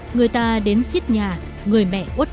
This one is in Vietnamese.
người ta đến xiết nhà người mẹ út quá tự tử